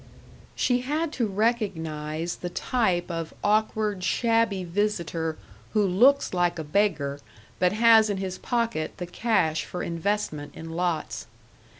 She had to recognize the type of awkward shabby visitor who looks like a beggar, but has in his pocket the cash for investment in lots.